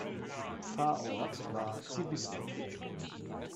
Pfarrort war Zbyslav.